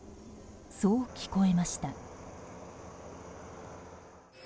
そう聞こえました。